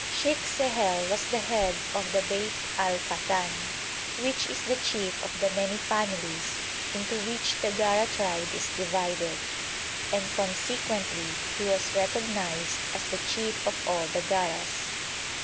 Sheikh Sehel was the head of the Beit al Kathan, which is the chief of the many families into which the Gara tribe is divided, and consequently he was recognised as the chief of all the Garas.